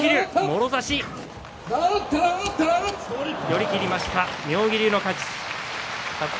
寄り切りました妙義龍の勝ちです。